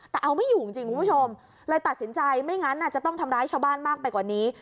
แต่เอาไม่อยู่จริงคุณผู้ชมเลยตัดสินใจไม่งั้นจะต้องทำร้ายชาวบ้านมากไปกว่านี้